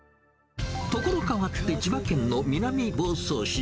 所変わって、千葉県の南房総市。